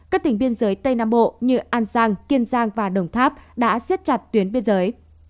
các tỉnh biên giới tây nam bộ như an giang kiên giang và đồng tháp đã siết chặt tuyến biên giới